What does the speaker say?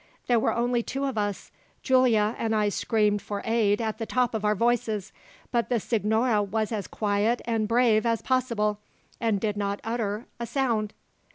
there were only two of us Giulia and I screamed for aid at the top of our voices; but the signora was as quiet and brave as possible, and did not utter a sound.'"